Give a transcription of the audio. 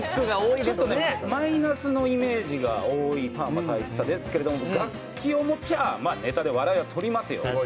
マイナスのイメージが多いパーマ大佐ですけれども、楽器を持ちゃ、ネタで笑いをとりますよ。